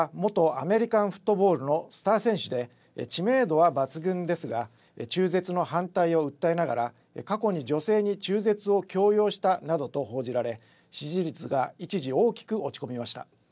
ウォーカー氏は元アメリカンフットボールのスター選手で知名度は抜群ですが、中絶の反対を訴えながら過去に女性に中絶を強要したなどと報じられ支持率が一時、大きく落ち込みました。